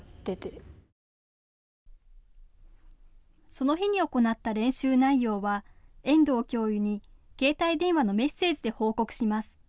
その日に行った練習内容は遠藤教諭に携帯電話のメッセージで報告します。